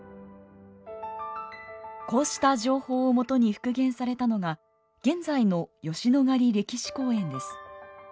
こうした情報をもとに復元されたのが現在の吉野ヶ里歴史公園です。